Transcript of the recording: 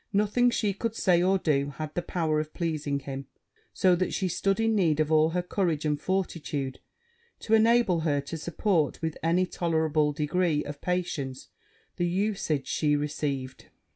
Nothing she could say or do had the power of pleasing him; so that she stood in need of all her courage and fortitude to enable her to support, with any tolerable degree of patience, the usage she received.